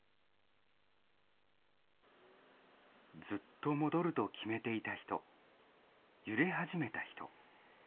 ずっと戻ると決めていた人、揺れ始めた人。